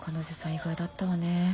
意外だったわねぇ。